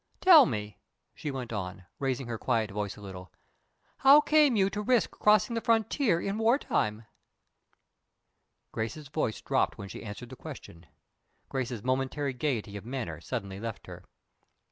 Tell me," she went on, raising her quiet voice a little, "how came you to risk crossing the frontier in wartime?" Grace's voice dropped when she answered the question. Grace's momentary gayety of manner suddenly left her.